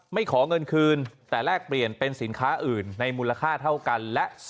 ขอเงินคืนแต่แลกเปลี่ยนเป็นสินค้าอื่นในมูลค่าเท่ากัน